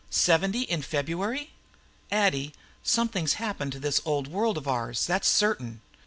Seventy in February! Addie, something's happened to this old world of ours. That's certain.